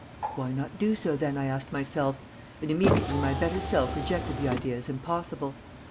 Why not do so, then, I asked myself; and immediately my better self rejected the idea as impossible.